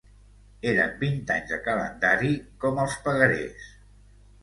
Eren vint anys de calendari, com els pagarés